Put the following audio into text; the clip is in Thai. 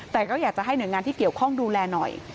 แต่ก็อยากจะให้หน่วยงานที่เกี่ยวข้องดูแลหน่อย